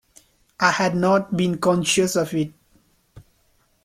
I had not been conscious of it.